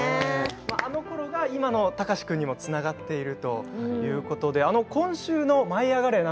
あのころが今の貴司君にもつながっているということで今週の「舞いあがれ！」